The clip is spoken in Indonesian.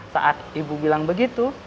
saat ibu bilang begitu